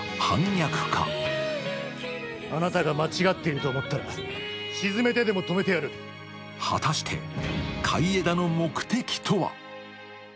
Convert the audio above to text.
・あなたが間違っていると思ったら沈めてでも止めてやる果たして海江田の目的とは？